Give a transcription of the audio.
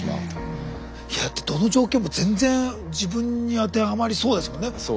どの状況も全然自分に当てはまりそうですもんね。